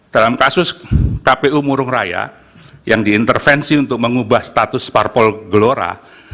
dalam kasus kpu murung raya yang diintervensi untuk mengubah status parpol gelora